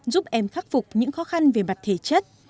giúp em khắc phục những khó khăn về mặt thể chất